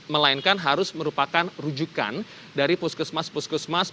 melainkan harus merupakan rujukan dari puskesmas puskesmas